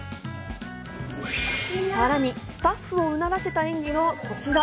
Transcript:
さらにスタッフをうならせた演技が、こちら。